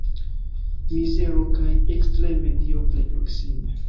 Mizero plej ekstreme, Dio plej proksime.